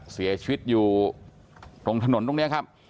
เสียชีวิตอยู่ตรงถนนตรงนี้ครับ